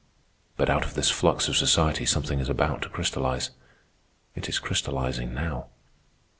But out of this flux of society something is about to crystallize. It is crystallizing now.